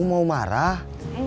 tidak ada apa apaan